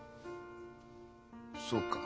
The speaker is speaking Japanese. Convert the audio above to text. そうか。